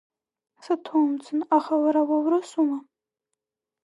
Саҭоумҵан, аха уара уоурысума?